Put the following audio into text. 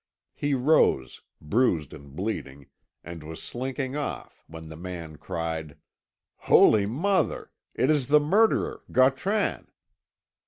He rose, bruised and bleeding, and was slinking off, when the man cried: "Holy Mother! it is the murderer, Gautran!"